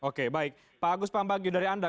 oke baik pak agus pambagi dari anda